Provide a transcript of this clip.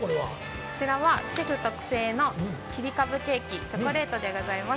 ◆こちらは、シェフ特製の切り株ケーキ、チョコレートでございます。